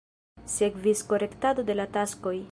Sekvis korektado de la taskoj.